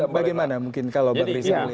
bagaimana mungkin kalau pak ariza melihatnya